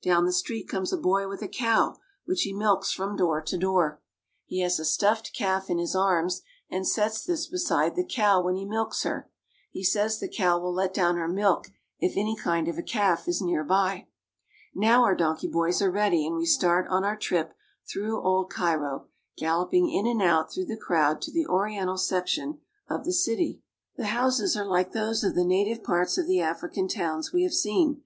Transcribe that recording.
Down the street comes a boy with a cow, which he milks from door to door. He has a stuffed calf in his arms and sets this beside the cow when he milks her ; he says the cow will let down her milk if "^^.^ any kind of a calf is near by. Now our donkey boys are ready, and we start on our trip through old Cairo, galloping in and out through the crowd to. the oriental section of the city. The houses are like those of the native parts of the African towns we have seen.